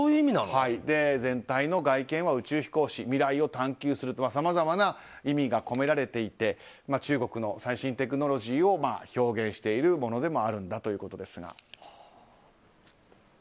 全体の外見は宇宙飛行士未来を探求することさまざまな意味が込められていて中国の最新テクノロジーを表現しているものでもあるんだだそうです。